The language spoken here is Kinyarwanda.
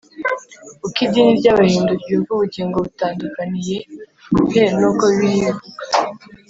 uko idini ry’abahindu ryumva ubugingo bitandukaniye he n’uko bibiliya ibivuga?